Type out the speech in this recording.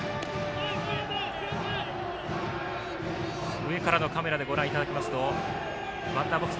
上からのカメラでご覧いただきますとバッターボックス